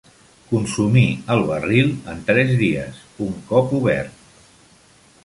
Consumir el barril en tres dies un cop obert.